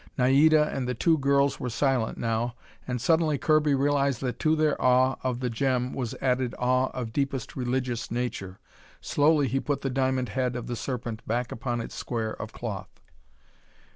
Naida and the two girls were silent now, and suddenly Kirby realized that to their awe of the gem was added awe of deepest religious nature. Slowly he put the diamond head of the Serpent back upon its square of cloth.